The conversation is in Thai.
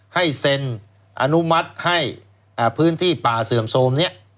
ให้เซ็นอนุมัติให้พื้นที่ป่าเสื่อมโทรมนี้